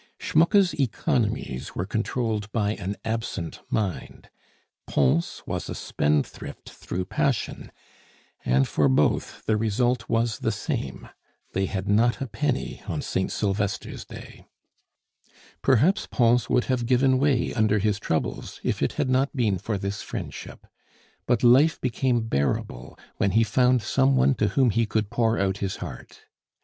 Schmucke's economies were controlled by an absent mind, Pons was a spendthrift through passion, and for both the result was the same they had not a penny on Saint Sylvester's day. Perhaps Pons would have given way under his troubles if it had not been for this friendship; but life became bearable when he found some one to whom he could pour out his heart.